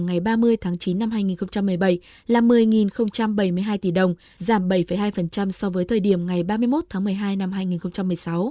ngày ba mươi tháng chín năm hai nghìn một mươi bảy là một mươi bảy mươi hai tỷ đồng giảm bảy hai so với thời điểm ngày ba mươi một tháng một mươi hai năm hai nghìn một mươi sáu